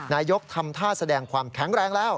ยกทำท่าแสดงความแข็งแรงแล้ว